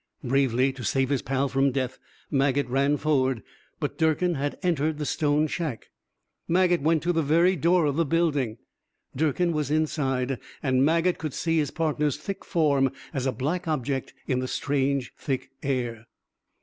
Bravely, to save his pal from death, Maget ran forward. But Durkin had entered the stone shack. Maget went to the very door of the building. Durkin was inside, and Maget could see his partner's thick form as a black object in the strange, thick air.